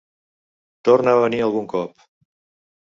Torna a venir algun cop.